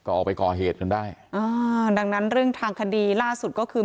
ก็ออกไปก่อเหตุจนได้อ่าดังนั้นเรื่องทางคดีล่าสุดก็คือ